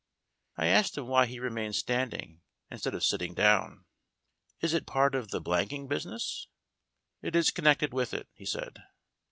I asked him why he remained standing, instead of sitting down! "Is it part of the blanking business?" "It is connected with it," he said.